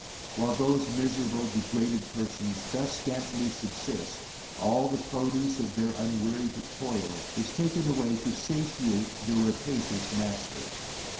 While those miserable degraded persons thus scantily subsist, all the produce of their unwearied toil, is taken away to satiate their rapacious master.